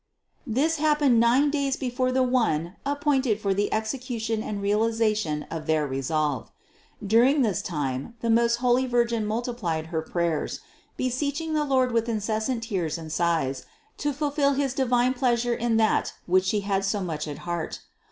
749. This happened nine days before the one ap pointed for the execution and realization of their re solve. During this time the most holy Virgin multi plied her prayers, beseeching the Lord with incessant tears and sighs, to fulfill his divine pleasure in that which She had so much at heart.